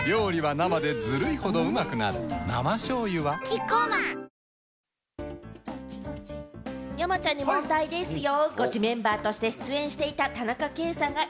生しょうゆはキッコーマン山ちゃんに問題ですよ。